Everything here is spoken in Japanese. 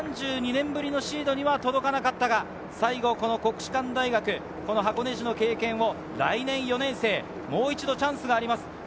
３２年ぶりのシードには届かなかったが、国士舘大学、箱根路の経験を来年４年生、もう一度チャンスがあります。